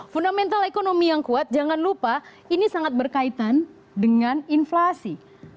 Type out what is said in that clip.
fundamental ekonomi yang kuat jangan lupa ini sangat berkaitan dengan inflasi